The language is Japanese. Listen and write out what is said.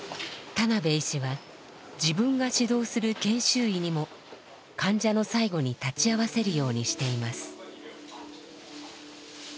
田邉医師は自分が指導する研修医にも患者の最期に立ち会わせるようにしています。